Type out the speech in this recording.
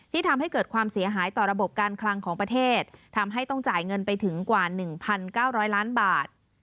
ทำให้เกิดความเสียหายต่อระบบการคลังของประเทศทำให้ต้องจ่ายเงินไปถึงกว่า๑๙๐๐ล้านบาท